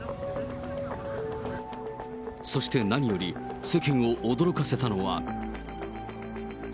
そして、なにより世間を驚かせたのは。